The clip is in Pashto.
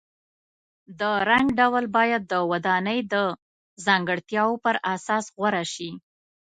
د رنګ ډول باید د ودانۍ د ځانګړتیاو پر اساس غوره شي.